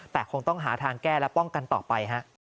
แต่คงต้องหาทางแก้และป้องกันต่อไปฮะ